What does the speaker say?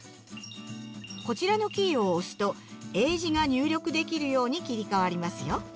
こちらのキーを押すと英字が入力できるように切り替わりますよ。